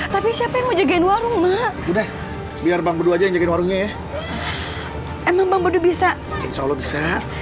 tapi siapa yang mojokin warung biar bangka aja juga warungnya ya emang bang bodo bisa bisa bisa